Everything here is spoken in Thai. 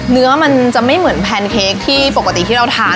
เนื้อมันจะไม่เหมือนแพนเค้กที่ปกติที่เราทาน